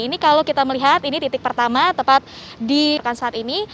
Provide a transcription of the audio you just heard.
ini kalau kita melihat ini titik pertama tepat di rekan saat ini